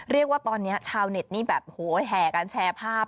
เรียกว่าตอนนี้ชาวเน็ตนี่แบบโหกันแชร์ภาพ